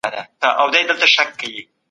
د شکنجې قربانیان د عدالت غوښتنه کوي.